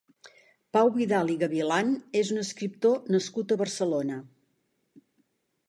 Pau Vidal i Gavilán és un escriptor nascut a Barcelona.